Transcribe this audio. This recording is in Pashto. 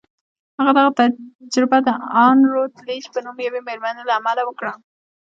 هغه دغه تجربه د ان روتليج په نوم يوې مېرمنې له امله وکړه.